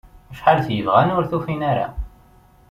Acḥal t- yebɣan, ur tufin-ara.